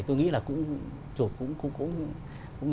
tôi nghĩ là cũng